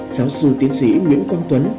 giáo sư tiến sĩ nguyễn quang tuấn